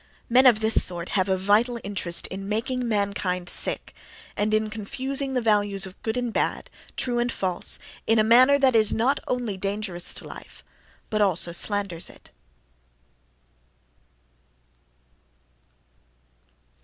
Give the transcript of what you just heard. Men of this sort have a vital interest in making mankind sick, and in confusing the values of "good" and "bad," "true" and "false" in a manner that is not only dangerous to life, but also slanders it.